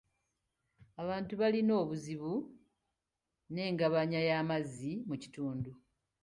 Abantu balina obuzibu n'engabanya y'amazzi mu kitundu .